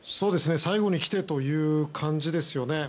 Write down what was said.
最後に来てという感じですよね。